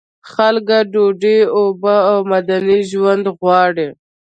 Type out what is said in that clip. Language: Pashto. خلک ډوډۍ، اوبه او مدني ژوند غواړي.